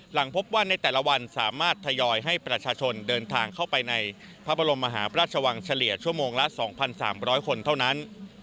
หลังพบว่าในแต่ละวันสามารถทยอยให้ประชาชนเดินทางเข้าไปในพระบรมมหาพระราชวังเฉลี่ยชั่วโมงละ๒๓๐๐คนเท่านั้น